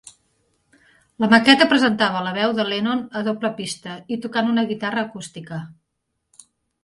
La maqueta presentava la veu de Lennon a doble pista i tocant una guitarra acústica.